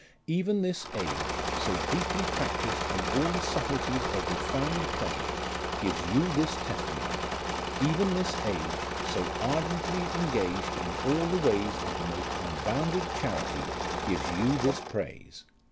Even this age, so deeply practised in all the subtleties of refined pleasure, gives you this testimony : even this age, so ardently engaged in all the ways of the most unbounded charity, gives you this praise.